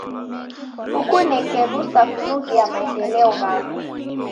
Kukuneke rusa kunughia maendeleo ghako.